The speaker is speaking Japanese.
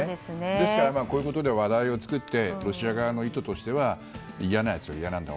ですからこういうことで話題を作ってロシア側の意図としては嫌なやつは嫌なんだ。